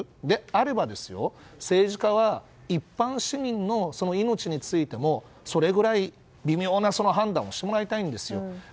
であれば政治家は一般市民の命についてもそれぐらい微妙な判断をしてもらいたいんですよ。